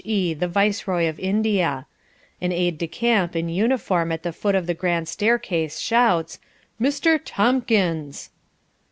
E. the Viceroy of India. An aide de camp in uniform at the foot of a grand staircase shouts, "Mr. Tomkins!"